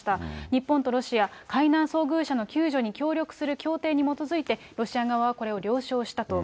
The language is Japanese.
日本とロシア、海難遭遇者の救助に協力する協定に基づいて、ロシア側はこれを了承したと。